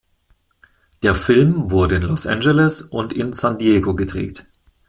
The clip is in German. Der Film wurde in Los Angeles und in San Diego gedreht.